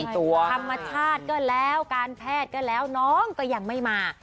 ธรรมชาติก็แล้วการแพทย์ก็แล้วน้องก็ยังไม่มา